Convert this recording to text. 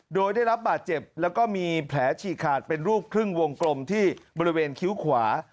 โดยได้รับบาดเจ็บแล้วก็มีแผลฉีกขาดเป็นรูปครึ่งวงกลมที่บริเวณคิ้วขวา